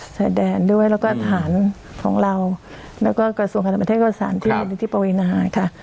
แสดงด้วยแล้วก็อัฐหารของเราแล้วก็กระทรวงการประเทศอเมียสาหรัฐที่มุนิติปวินาค่ะ